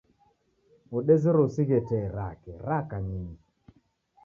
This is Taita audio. Wodezerwa usighe tee rake raka nyingi.